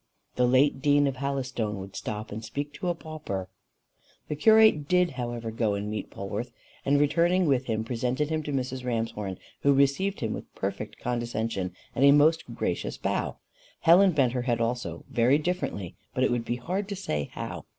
The late dean of Halystone would stop and speak to a pauper." The curate did however go and meet Polwarth, and returning with him presented him to Mrs. Ramshorn, who received him with perfect condescension, and a most gracious bow. Helen bent her head also, very differently, but it would be hard to say how.